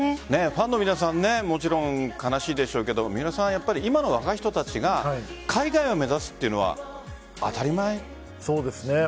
ファンの皆さんはもちろん悲しいでしょうけど今の若い人たちが海外を目指すというのはそうですね。